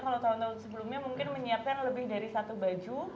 kalau tahun tahun sebelumnya mungkin menyiapkan lebih dari satu baju